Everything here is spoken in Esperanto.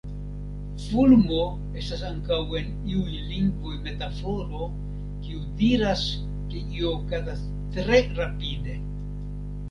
Fulmo estas ankaŭ en iuj lingvoj metaforo, kiu diras ke io okazas tre rapide.